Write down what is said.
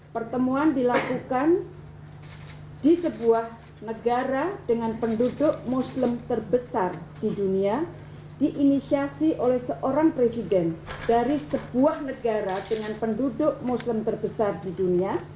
pertemuan dilakukan di sebuah negara dengan penduduk muslim terbesar di dunia diinisiasi oleh seorang presiden dari sebuah negara dengan penduduk muslim terbesar di dunia